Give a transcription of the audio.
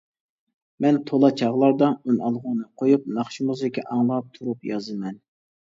مەن تولا چاغلاردا ئۈنئالغۇنى قويۇپ، ناخشا-مۇزىكا ئاڭلاپ تۇرۇپ يازىمەن.